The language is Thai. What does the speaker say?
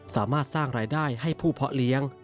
สามารถสร้างรายได้ให้ผู้เพาะเลี้ยง